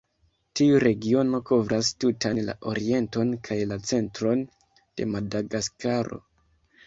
Tiu regiono kovras tutan la orienton kaj la centron de Madagaskaro.